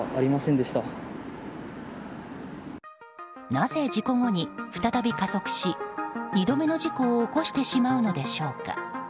なぜ事故後に再び加速し２度目の事故を起こしてしまうのでしょうか。